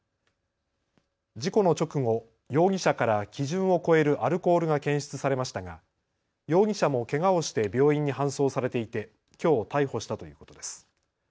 事故の直後、容疑者から基準を超えるアルコールが検出されましたが容疑者もけがをして病院に搬送されていてきょう逮捕したということです。